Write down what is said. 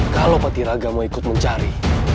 kalau peti raga mau ikut mencari